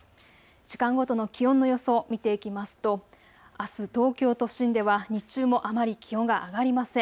時間ごとの気温の予想、見ていきますとあす東京都心では日中もあまり気温が上がりません。